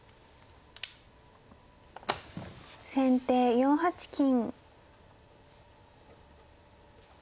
先手４八金。